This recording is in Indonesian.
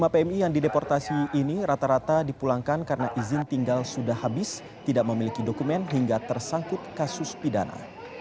lima pmi yang dideportasi ini rata rata dipulangkan karena izin tinggal sudah habis tidak memiliki dokumen hingga tersangkut kasus pidana